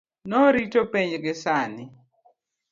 norito penj gi sani